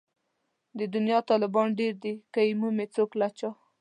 د دنيا طالبان ډېر دي که يې مومي څوک له چا